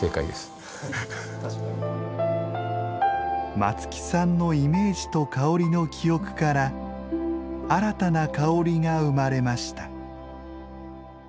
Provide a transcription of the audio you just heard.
松木さんのイメージと香りの記憶から新たな香りが生まれました。